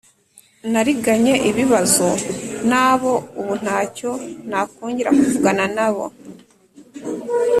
nagiranye ibibazo nabo ubu ntacyo nakongera kuvugana nabo